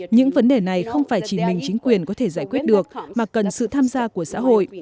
những vấn đề này không phải chỉ mình chính quyền có thể giải quyết được mà cần sự tham gia của xã hội